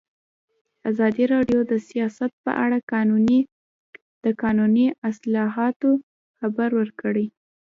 ازادي راډیو د سیاست په اړه د قانوني اصلاحاتو خبر ورکړی.